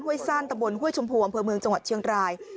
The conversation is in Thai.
สั้นตะบนห้วยชมพูอำเภอเมืองจังหวัดเชียงราย